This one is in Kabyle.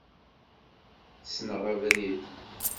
Ssneɣ abrid.